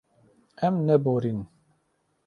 Em neborîn.